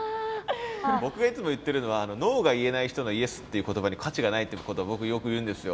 僕がいつも言ってるのはノーが言えない人のイエスっていう言葉に価値がないっていうことを僕よく言うんですよ。